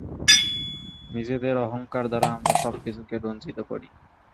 নিজেদের অহঙ্কার দ্বারা আমরা সবকিছুকে রঞ্জিত করি।